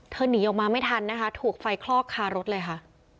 หนีออกมาไม่ทันนะคะถูกไฟคลอกคารถเลยค่ะ